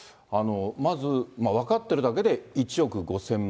まず、分かってるだけで１億５０００万円。